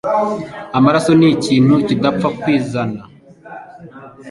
amaraso ni kintu kida pfa kwizana